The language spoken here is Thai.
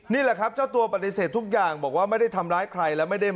นี่แหละครับเจ้าตัวปฏิเสธทุกอย่างบอกว่าไม่ได้ทำร้ายใครแล้วไม่ได้